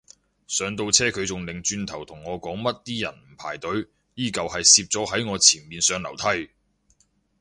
上到車佢仲擰轉頭同我講乜啲人唔排隊，依舊係攝咗喺我前面上樓梯